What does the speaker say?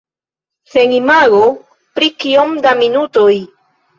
Sen imago pri kiom da minutoj?